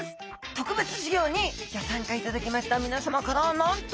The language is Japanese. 特別授業にギョ参加いただきましたみなさまからなんと！